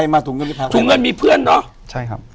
อยู่ที่แม่ศรีวิรัยิลครับ